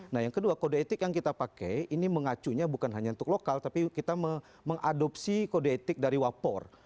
nah yang kedua kode etik yang kita pakai ini mengacunya bukan hanya untuk lokal tapi kita mengadopsi kode etik dari wapor